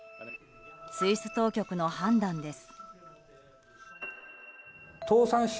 スイス当局の判断です。